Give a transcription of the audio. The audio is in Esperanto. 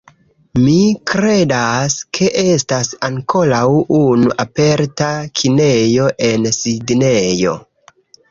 Mi kredas, ke estas ankoraŭ unu aperta kinejo en Sidnejo